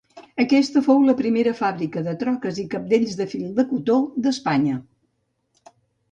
Aquesta fou la primera fàbrica de troques i cabdells de fil de cotó d'Espanya.